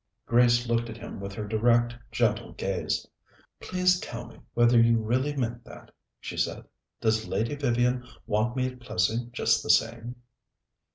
Grace looked at him with her direct, gentle gaze. "Please tell me whether you really meant that," she said. "Does Lady Vivian want me at Plessing just the same?"